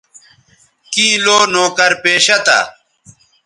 کیں لو نوکر پیشہ تھا